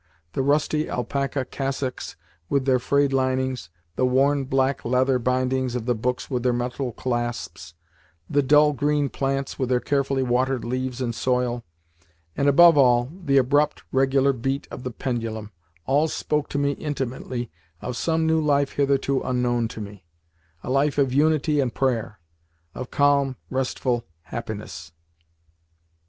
The rusty alpaca cassocks with their frayed linings, the worn black leather bindings of the books with their metal clasps, the dull green plants with their carefully watered leaves and soil, and, above all, the abrupt, regular beat of the pendulum, all spoke to me intimately of some new life hitherto unknown to me a life of unity and prayer, of calm, restful happiness.